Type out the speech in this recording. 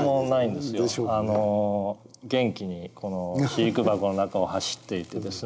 元気にこの飼育箱の中を走っていてですね